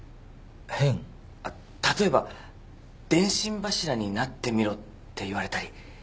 あっ例えば電信柱になってみろって言われたり。